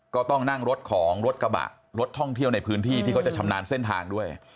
ก็ต้องนั่งรถของรถกระบะรถท่องเที่ยวในพื้นที่ที่เขาจะชำนาญเส้นทางด้วย